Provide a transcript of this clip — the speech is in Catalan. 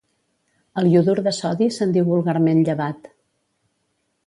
Al iodur de sodi se'n diu vulgarment llevat.